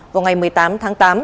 vào ngày một mươi tám tháng tám